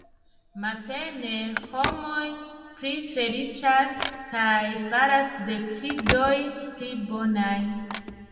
Matene, homoj pli feliĉas kaj faras decidojn pli bonajn.